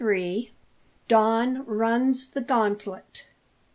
DON RUNS THE GAUNTLET.